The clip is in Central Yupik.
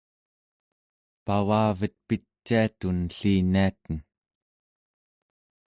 pavavet piciatun elliniaten